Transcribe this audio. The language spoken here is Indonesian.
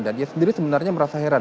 dan ya sendiri sebenarnya merasa heran